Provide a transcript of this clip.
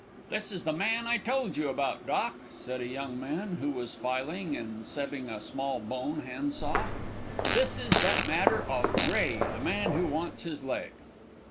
"This is the man I told you about, Doc," said a young man who was filing and setting a small bone handsaw. "This is that matter of Gray, the man who wants his leg."